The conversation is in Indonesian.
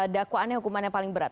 dakwaannya hukumannya paling berat